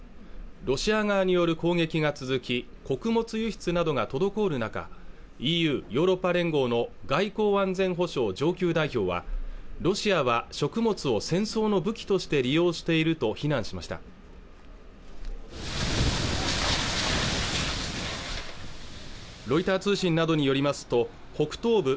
ロシア側による攻撃が続き穀物輸出などが滞る中ＥＵ＝ヨーロッパ連合の外交安全保障上級代表はロシアは食物を戦争の武器として利用していると非難しましたロイター通信などによりますと北東部